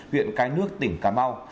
huyện cái nước tỉnh cà mau